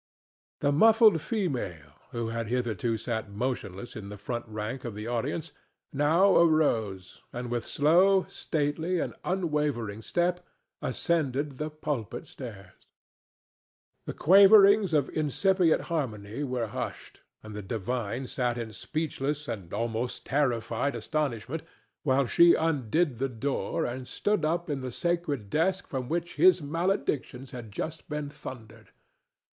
The muffled female, who had hitherto sat motionless in the front rank of the audience, now arose and with slow, stately and unwavering step ascended the pulpit stairs. The quaverings of incipient harmony were hushed and the divine sat in speechless and almost terrified astonishment while she undid the door and stood up in the sacred desk from which his maledictions had just been thundered.